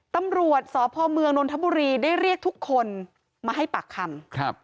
ตำรวจสพเมืองนนทบุรีได้เรียกทุกคนมาให้ปากคำ